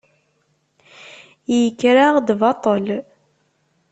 Yekker-aɣ-d baṭel.